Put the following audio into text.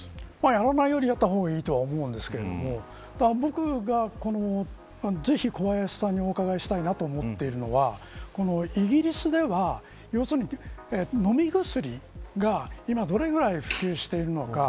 やらないよりやった方がいいとは思うんですが僕がぜひ小林さんにお伺いしたいなと思っているのはイギリスでは、要するに飲み薬が今どれぐらい普及しているのか。